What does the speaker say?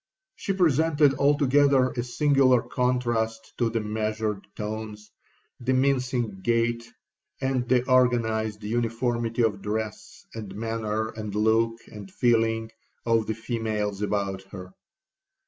'She presented altogether a singular contrast to the measured tones, the mincing gait, and the organized uniformity of dress, and manner, and look, and feeling, of the females about her.